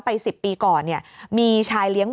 ๑๐ปีก่อนเนี่ยมีชายเลี้ยง